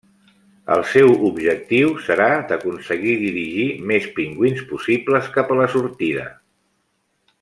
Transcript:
El seu objectiu serà d'aconseguir dirigir més pingüins possibles cap a la sortida.